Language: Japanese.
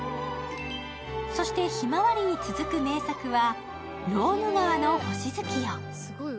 そして「ひまわり」に続く名作は「ローヌ川の星月夜」。